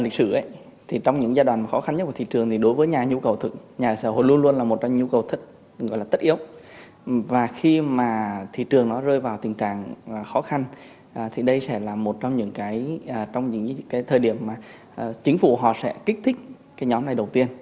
chính phủ họ sẽ kích thích cái nhóm này đầu tiên